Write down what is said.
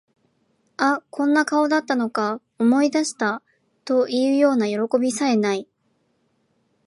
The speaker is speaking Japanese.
あ、こんな顔だったのか、思い出した、というようなよろこびさえ無い